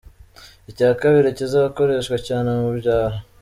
Icya kabiri kizakoreshwa cyane mu byaro.’’